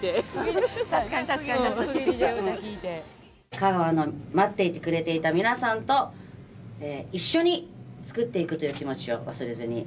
香川の待っていてくれていた皆さんと一緒に作っていくという気持ちを忘れずに。